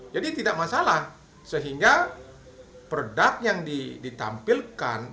jadi tidak masalah sehingga produk yang ditampilkan